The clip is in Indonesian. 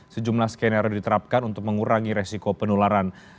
sejumlah skenario diterapkan untuk mengurangi resiko penularan